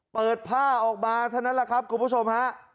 เปิดผ้าออกมาเท่านั้นแหละครับคุณผู้ชมฮะ